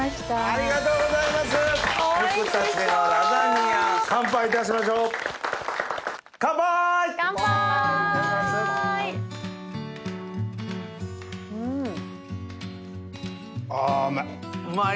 あうんまい。